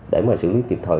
để mà xử lý kịp thời